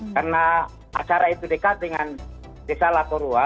karena acara itu dekat dengan desa laporua